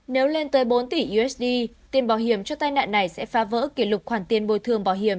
nếu lên tới bốn tỷ usd tiền bảo hiểm cho tai nạn này sẽ phá vỡ kỷ lục khoản tiền bồi thường bảo hiểm